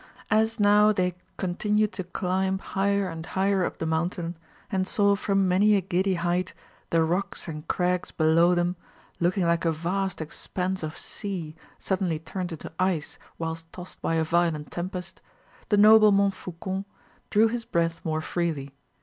As now they continued to climb higher and higher up the mountain, and saw from many a giddy height the rocks and crags below them looking like a vast expanse of sea suddenly turned into ice whilst tossed by a violent tempest, the noble Montfaucon drew his breath more freely.